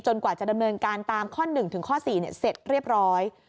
กว่าจะดำเนินการตามข้อ๑ถึงข้อ๔เสร็จเรียบร้อย